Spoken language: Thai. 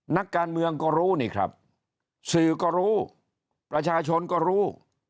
นักการเมืองก็รู้นี่ครับสื่อก็รู้ประชาชนก็รู้